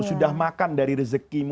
sudah makan dari rezekimu